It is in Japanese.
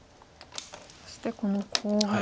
そしてこのコウが。